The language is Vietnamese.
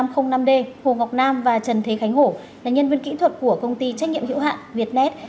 hồ ngọc nam và trần thế khánh hổ là nhân viên kỹ thuật của công ty trách nhiệm hiệu hạn việt net